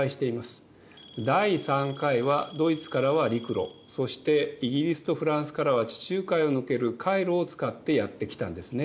第３回はドイツからは陸路そしてイギリスとフランスからは地中海を抜ける海路を使ってやって来たんですね。